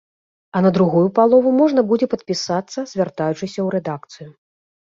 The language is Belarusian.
А на другую палову можна будзе падпісацца, звяртаючыся ў рэдакцыю.